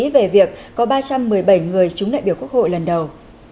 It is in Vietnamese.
về việc có ba trăm một mươi bảy người trúng đại biểu quốc hội lần đầu